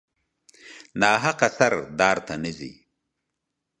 ناحقه سر و دار ته نه ځي.